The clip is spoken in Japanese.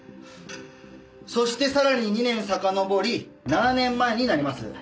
そしてさらに２年さかのぼり７年前になります。